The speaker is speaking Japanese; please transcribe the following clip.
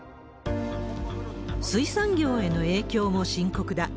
水産業への影響も深刻だ。